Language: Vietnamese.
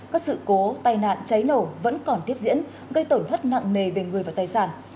các sự cố tai nạn cháy nổ vẫn còn tiếp diễn gây tổn thất nặng nề về người và tài sản